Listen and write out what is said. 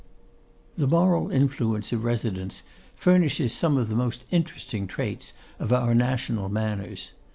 The moral influence of residence furnishes some of the most interesting traits of our national manners.